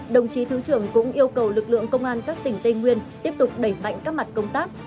đồng chí thứ trưởng cũng yêu cầu lực lượng công an các tỉnh tây nguyên tiếp tục đẩy mạnh các mặt công tác